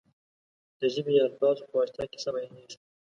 د ژبې یا الفاظو په واسطه کیسه بیانېږي.